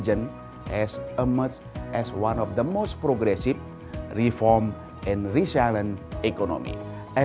telah berkembang sebagai salah satu reformasi dan ekonomi indonesia yang terbaik